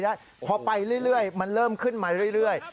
แล้วพอไปเรื่อยมันเริ่มขึ้นมาเรื่อย